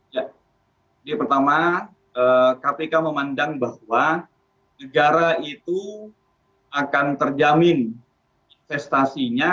jadi pertama kpk memandang bahwa negara itu akan terjamin investasinya